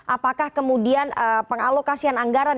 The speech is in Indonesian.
apakah kemudian pengalokasian anggaran